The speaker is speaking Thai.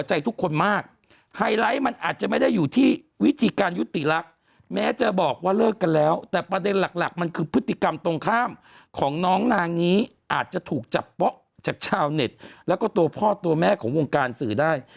ใจทุกคนมากไฮไลท์มันอาจจะไม่ได้อยู่ที่วิธีการยุติลักษณ์แม้จะบอกว่าเลิกกันแล้วแต่ประเด็นหลักหลักมันคือพฤติกรรมตรงข้ามของน้องนางนี้อาจจะถูกจับป๊อกจากชาวเน็ตแล้วก็ตัวพ่อตัวแม่ของวงการสื่อได้